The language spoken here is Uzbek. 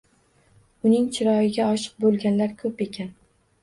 Uning chiroyiga oshiq bo’lganlar ko’p ekan.